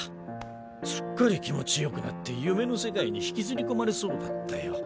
すっかり気持ちよくなって夢の世界に引きずり込まれそうだったよ。